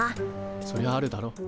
そりゃあるだろ。